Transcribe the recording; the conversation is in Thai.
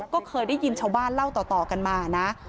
ก็เคยได้ยินชาวบ้านเล่าต่อกันมานะ